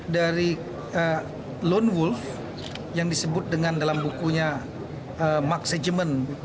dari lone wolf yang disebut dengan dalam bukunya mark segement